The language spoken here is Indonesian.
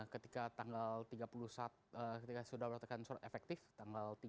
ketika tanggal tiga puluh satu ketika sudah melakukan surat efektif tanggal tiga puluh satu atau tiga puluh